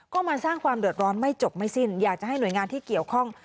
ก็มาสร้างความเดือดร้อนไม่จบไม่สิ้นอยากจะให้หน่วยงานที่เกี่ยวข้อง